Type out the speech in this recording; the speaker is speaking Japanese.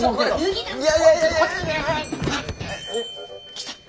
来た。